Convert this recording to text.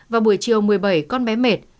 vào buổi chiều một mươi bảy con bé mệt